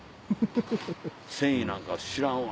「繊維なんか知らんわ」